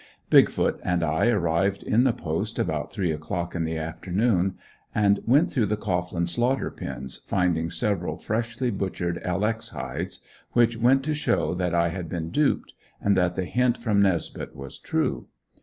"Big foot" and I arrived in the Post about three o'clock in the afternoon and went through the Cohglin slaughter pens, finding several freshly butchered "L. X." hides, which went to show that I had been duped, and that the hint from Nesbeth was true.